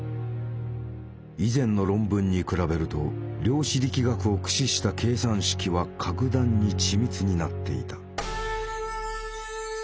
以前の論文に比べると量子力学を駆使した計算式は格段に緻密になっていた。